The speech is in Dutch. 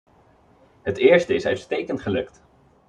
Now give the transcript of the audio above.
Het eerste is uitstekend gelukt.